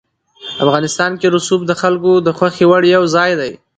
افغانستان کې رسوب د خلکو د خوښې وړ یو ځای دی.